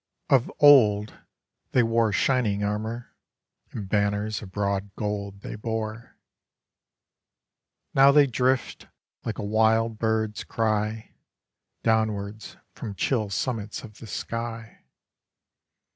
Of old, they wore Shining armour, and banners of broad gold they bore: Now they drift, like a wild bird's cry, Downwards from chill summits of the sky.